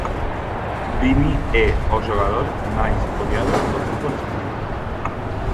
Vini é o xogador máis odiado do fútbol español